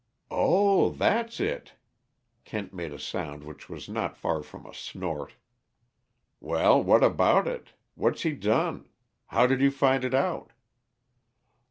"Oh, that's it!" Kent made a sound which was not far from a snort. "Well, what about it? What's he done? How did you find it out?"